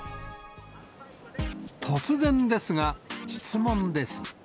突然ですが、質問です。